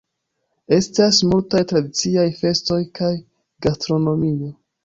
Estas multaj tradiciaj festoj kaj gastronomio.